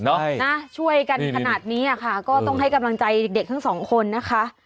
แล้วทีนี้ก็ไม่ตกด้วยกันขนาดนี้อ่ะค่ะก็ต้องให้กำลังใจเด็กของสองคนนะค่ะ